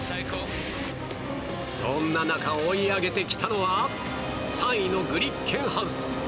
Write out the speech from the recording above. そんな中、追い上げてきたのは３位のグリッケンハウス。